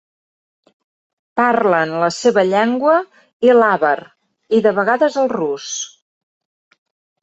Parlen la seva llengua i l'àvar i de vegades el rus.